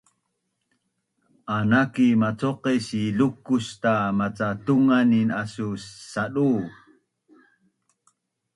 anaki macoqes si Lukusta maca tunganin asu sadu